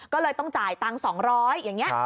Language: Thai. ก็เลยต้องจ่ายตังค์๒๐๐อย่างนี้